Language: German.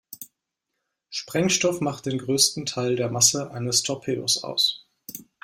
Sprengstoff macht den größten Teil der Masse eines Torpedos aus.